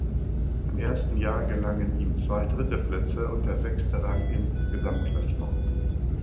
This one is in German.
Im ersten Jahr gelangen ihm zwei dritte Plätze und der sechste Rang im Gesamtklassement.